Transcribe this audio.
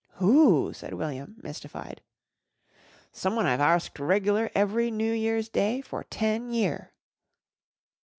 "Who?" said William mystified. "Someone I've arsked regl'ar every New Year's Day for ten year."